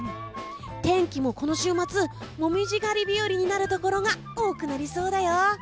天気もこの週末紅葉狩り日和になるところが多くなりそうだよ。